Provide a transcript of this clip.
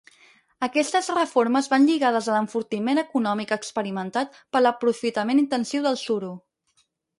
Aquestes reformes van lligades a l'enfortiment econòmic experimentat per l'aprofitament intensiu del suro.